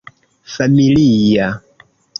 familia